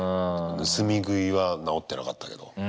盗み食いは直ってなかったけど。